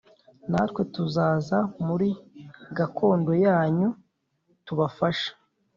natwe tuzaza muri gakondo yanyu+ tubafashe.”